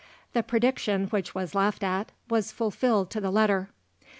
The prediction, which was laughed at, was fulfilled to the letter.